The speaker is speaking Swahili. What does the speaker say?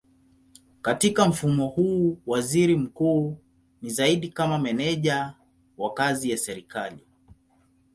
Katika mfumo huu waziri mkuu ni zaidi kama meneja wa kazi ya serikali.